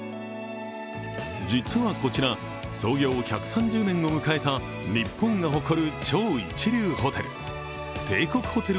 実はこちら、創業１３０年を迎えた日本が誇る超一流ホテル帝国ホテル